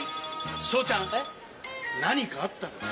昇ちゃん何かあったのか？